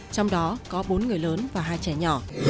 trong đó có bốn người lớn và hai trẻ nhỏ